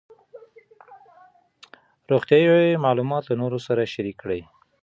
روغتیایي معلومات له نورو سره شریک کړئ.